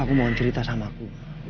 aku mau cerita sama'ku